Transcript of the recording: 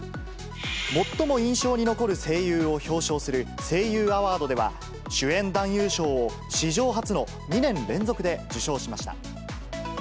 最も印象に残る声優を表彰する声優アワードでは、主演男優賞を史上初の２年連続で受賞しました。